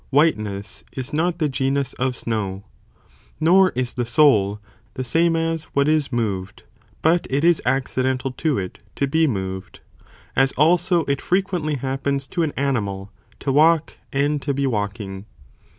whiteness, is not the genus of snow, nor is the soul, the same as what is moved, but it is accidental to it, to be moved, as also it frequently happens to an animal, to walk and to be walking.